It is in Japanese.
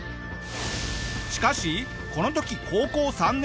しかしこの時高校３年。